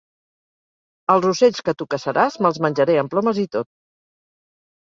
Els ocells que tu caçaràs, me'ls menjaré amb plomes i tot.